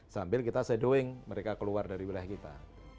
sambil kita setdowing mereka keluar dari wilayah kita